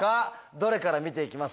どれから見ていきます？